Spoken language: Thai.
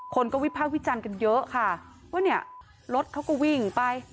คนก็วิภาควิจารณ์กันเยอะค่ะว่าเนี่ยรถเขาก็วิ่งไป